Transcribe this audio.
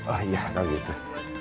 oh iya kalau gitu